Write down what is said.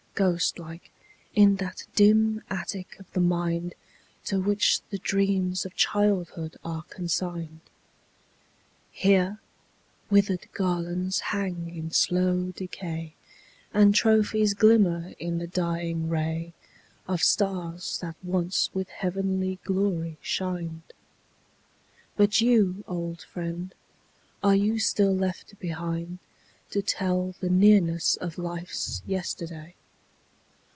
Ghost like, in that dim attic of the mind To which the dreams of childhood are consigned. Here, withered garlands hang in slow decay. And trophies glimmer in the dying ray Of stars that once with heavenly glory shined. 280 THE FALLEN But you, old friend, are you still left behind To tell the nearness of life's yesterday?